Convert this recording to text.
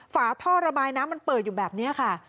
ฝาท่อระบายน้ำมันเปิดอยู่แบบนี้ค่ะ